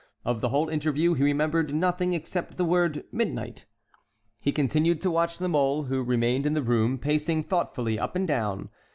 Of the whole interview he remembered nothing except the word "midnight." He continued to watch La Mole, who remained in the room, pacing thoughtfully up and down.